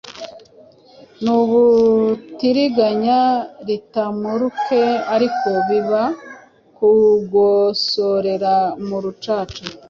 nubutiriganya ritamuruke, ariko biba kugosorera mu rucaca